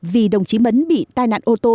vì đồng chí mấn bị tai nạn ô tô